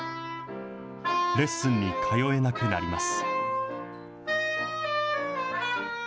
レッスンに通えなくなります。